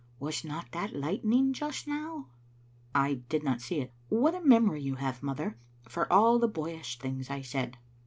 ' Was not that light ning just now?" " I did not see it. What a memory you hdve, mother, for all the boyish things I said."